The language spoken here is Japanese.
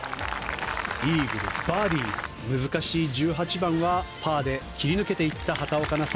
イーグル、バーディー難しい１８番はパーで切り抜けていった畑岡奈紗。